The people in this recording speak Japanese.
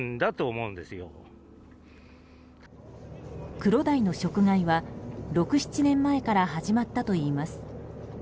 クロダイの食害は６７年前から始まったといいます。